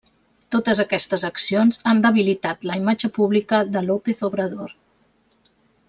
Totes aquestes accions han debilitat la imatge pública de López Obrador.